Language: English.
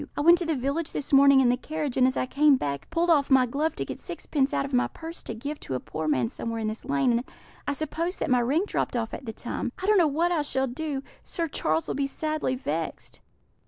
I went to the village this morning in the carriage, and as I came back, pulled off my glove to get sixpence out of my purse to give to a poor man somewhere in this lane, and I suppose that my ring dropped off at the time. I don't know what I shall do; Sir Charles will be sadly vexed."